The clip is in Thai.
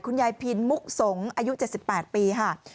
ยายพินมุกสงอายุ๗๘ปีค่ะ